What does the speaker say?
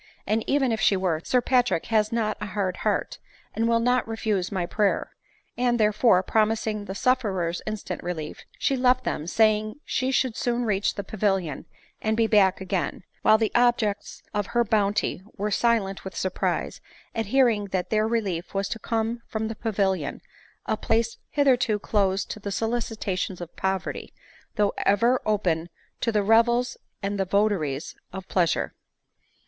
and even if she were, Sir Patrick has not a hard heart, and will not refuse iny prayer; and, therefore, promising the suf ferers instant relief, she left them, saying she should soon reach the Pavilion and be back again ; while the objects of her bounty were silent with surprise at hearing that their relief was to come from the Pavilion, a place hith erto closed to the solicitations of poverty, though ever open to the revels and the votaries of pleasure.